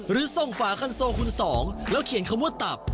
หรือส่งฝาคันโซคุณสองแล้วเขียนคำว่าตับ